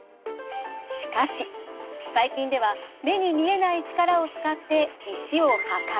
しかし最近では目に見えない力を使って石を破壊。